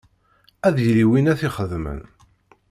Ad yili win ara t-ixedmen.